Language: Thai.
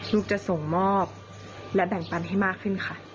ลูกจะส่งมอบและแบ่งปันให้มากขึ้นค่ะ